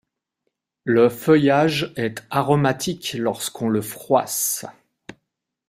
Le feuillage est aromatique lorsqu'on le froisse.